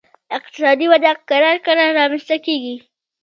اقتصادي وده کرار کرار رامنځته کیږي